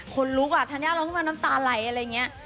คนลุกอ่ะธัญญาร้องขึ้นมาน้ำตาไหลอะไรอย่างนี้